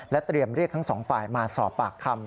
เตรียมเรียกทั้งสองฝ่ายมาสอบปากคำ